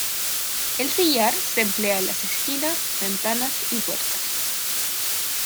El sillar se emplea en las esquinas, ventanas y puertas.